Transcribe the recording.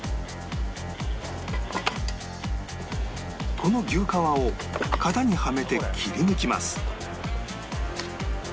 この牛革を型にはめて切り抜きます